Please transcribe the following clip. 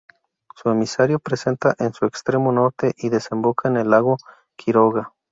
Su emisario presenta en su extremo norte y desemboca en el lago Quiroga.